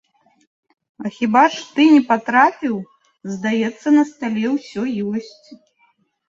А хіба ж ты не патрапіў, здаецца, на стале ўсё ёсць.